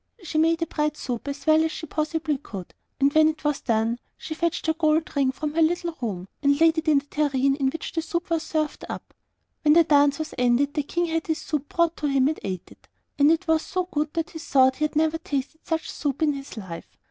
She made a bread soup as well as she possibly could, and when it was done, she fetched her gold ring from her little room, and laid it in the tureen in which the soup was to be served up. When the dance was ended, the King had his soup brought to him and ate it, and it was so good that he thought he had never tasted such soup in his life.